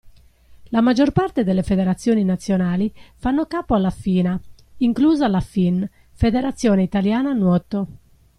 La maggior parte delle federazioni nazionali fanno capo alla FINA, inclusa la FIN (Federazione Italiana Nuoto).